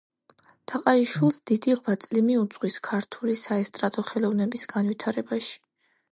თაყაიშვილს დიდი ღვაწლი მიუძღვის ქართული საესტრადო ხელოვნების განვითარებაში.